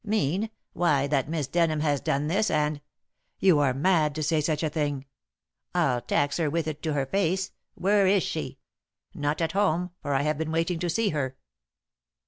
"Mean? Why, that Miss Denham has done this, and " "You are mad to say such a thing." "I'll tax her with it to her face. Where is she? Not at home, for I have been waiting to see her."